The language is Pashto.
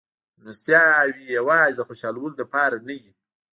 مېلمستیاوې یوازې د خوشحالولو لپاره نه وې.